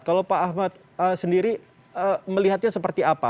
kalau pak ahmad sendiri melihatnya seperti apa